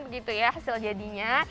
begitu ya hasil jadinya